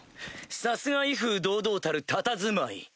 さすが威風堂々たるたたずまい。